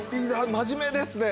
真面目ですね